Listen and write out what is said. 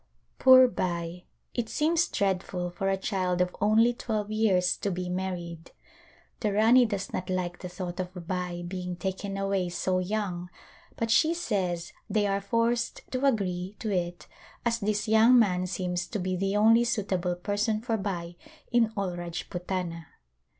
Poor Bai ! it seems dreadful for a child of only twelve years to be married. The Rani does not like the thought of Bai being taken away so young but she says they are forced to agree to it as this young man seems to be the only suitable person for Bai in all Rajputana.